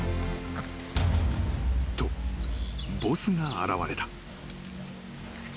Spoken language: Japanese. ［とボスが現れた］